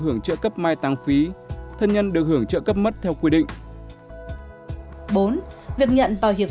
hưởng trợ cấp mai tăng phí thân nhân được hưởng trợ cấp mất theo quy định bốn việc nhận bảo hiểm